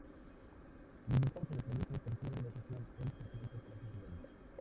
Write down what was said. Disgustado con los proyectos, se retiró de la sesión el presidente Palacios Hidalgo.